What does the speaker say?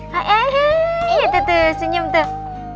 hei hei hei tuh tuh senyum tuh